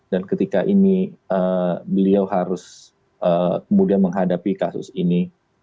dan ketika ini beliau harus kemudian menghadapi kasus ini